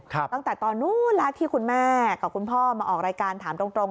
ตั้งแต่ตอนนู้นแล้วที่คุณแม่กับคุณพ่อมาออกรายการถามตรง